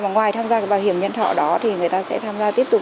mà ngoài tham gia cái bảo hiểm nhân thọ đó thì người ta sẽ tham gia tiếp tục